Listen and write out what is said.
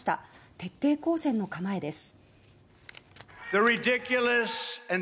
徹底抗戦の構えです。